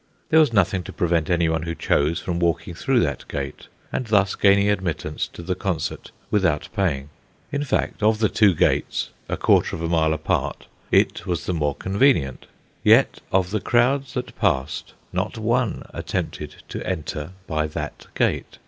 There was nothing to prevent anyone who chose from walking through that gate, and thus gaining admittance to the concert without paying. In fact, of the two gates quarter of a mile apart it was the more convenient. Yet of the crowds that passed, not one attempted to enter by that gate.